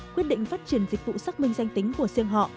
quyết định phát triển dịch vụ xác minh danh tính của riêng họ